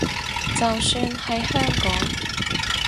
就算係香港